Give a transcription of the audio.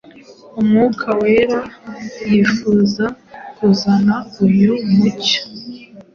Umwuka Wera yifuza kuzana uyu mucyo.